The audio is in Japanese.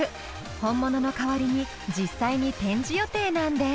本物の代わりに実際に展示予定なんです。